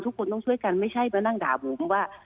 ทุกคนต้องช่วยกันไม่ใช่มานั่งด่าบุ๋มว่า